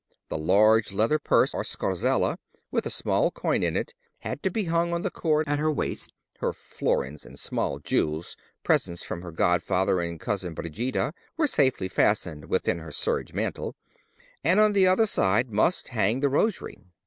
The large leather purse or scarsella, with small coin in it, had to be hung on the cord at her waist (her florins and small jewels, presents from her godfather and cousin Brigida, were safely fastened within her serge mantle)—and on the other side must hang the rosary.